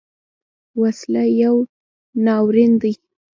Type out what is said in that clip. وسله یو ناورین دی